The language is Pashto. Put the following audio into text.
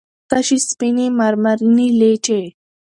تشې سپينې مرمرينې لېچې